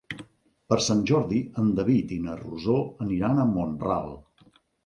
Per Sant Jordi en David i na Rosó aniran a Mont-ral.